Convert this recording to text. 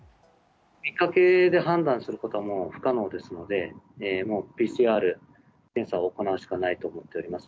見かけで判断することはもう不可能ですので、もうＰＣＲ検査を行うしかないと思っております。